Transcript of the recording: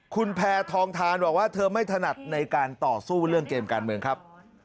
คุณแพทองทานบอกว่าเธอไม่ถนัดในการต่อสู้เรื่องเกมการเมืองครับ